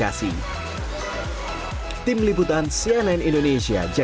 ada yang tetap terjaga keasliannya tapi ada pula yang dimodifikasi